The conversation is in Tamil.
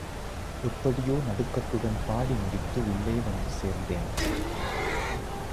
எப்படியோ நடுக்கத்துடன் பாடி முடித்து உள்ளே வந்து சேர்ந்தேன்.